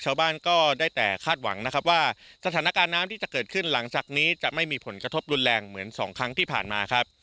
ชาวบ้านก็ได้แต่คาดหวังนะครับว่าสถานการณ์น้ำที่จะเกิดขึ้นหลังจากนี้จะไม่มีผลกระทบรุนแรงเหมือนสองครั้งที่ผ่านมาครับ